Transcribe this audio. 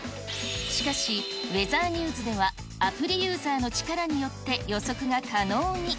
しかしウェザーニューズでは、アプリユーザーの力によって予測が可能に。